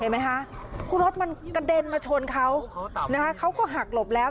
ไหมคะคือรถมันกระเด็นมาชนเขานะคะเขาก็หักหลบแล้ว